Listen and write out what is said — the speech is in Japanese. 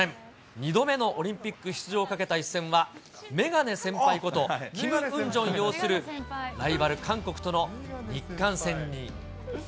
２度目のオリンピック出場をかけた一戦は眼鏡先輩こと、キム・ウンジョンようするライバル、韓国との日韓戦に。